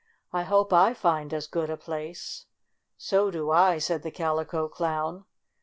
"I hope I find as good a place." "So do I," said the Calico Clown.